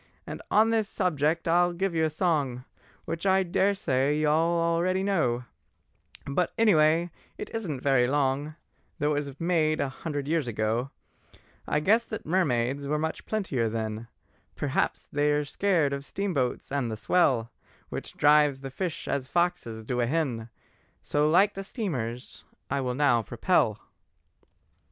And on this subject I will give a song, Which I daresay you all already know, But anyway it isn't very long, Though it was made a hundred years ago, I guess that mermaids were much plentier then; Perhaps they're scared of steamboats and the swell Which drives the fish as foxes do a hen— So like the steamers I will now propel."